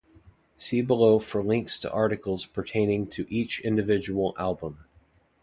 See below for links to articles pertaining to each individual album.